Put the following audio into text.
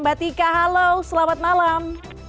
mbak tika halo selamat malam